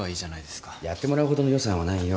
やってもらうほどの予算はないよ。